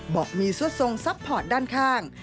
บอกมีซวดทรงซัพพอร์ตด้านข้าง